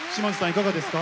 いかがですか？